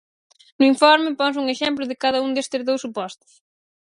No informe ponse un exemplo de cada un destes dous supostos.